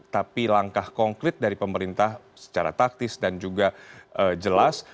tapi langkah konkret dari pemerintah secara taktis dan juga jelas